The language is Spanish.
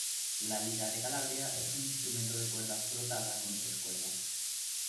La lira de Calabria es un instrumento de cuerda frotada con tres cuerdas.